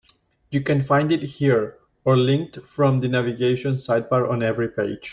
You can find it here, or linked from the navigation sidebar on every page.